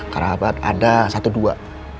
kerabat ada satu dua